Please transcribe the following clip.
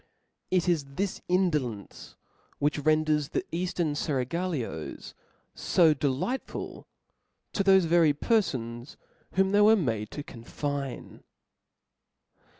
It is this indolence which renders the (^) Eaftern ^^^^Sir fcragUos fo delightful to thofc very perfons, whom cbardin, they were made to confine.